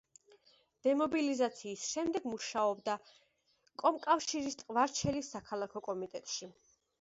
დემობილიზაციის შემდეგ მუშაობდა კომკავშირის ტყვარჩელის საქალაქო კომიტეტში.